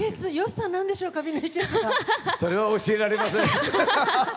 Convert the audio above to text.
それは教えられません。